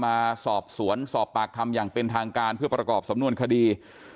มาสอบสวนสอบปากคำอย่างเป็นทางการเพื่อประกอบสำนวนคดี